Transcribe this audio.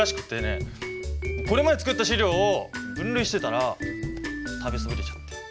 これまで作った資料を分類してたら食べそびれちゃって。